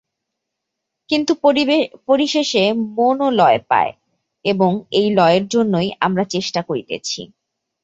কিন্তু পরিশেষে মনও লয় পায়, এবং এই লয়ের জন্যই আমরা চেষ্টা করিতেছি।